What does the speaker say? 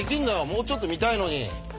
もうちょっと見たいのに。